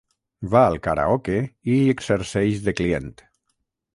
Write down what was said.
Va al karaoke i hi exerceix de client.